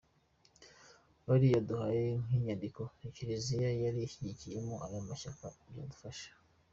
Buriya uduhaye nk’inyandiko Kiliziya yari ishyigikiyemo aya mashyaka byadufasha.